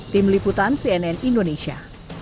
tim liputan cnn indonesia